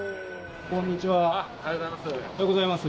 おはようございます。